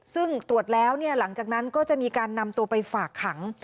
ซึ่งตรวจแล้วหลังจากนั้นก็จะมีการนำตัวไปฝากขัง